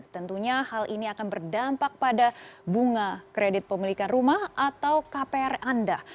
tentunya hal ini akan berdampak pada bunga kredit pemilikan rumah atau kpr anda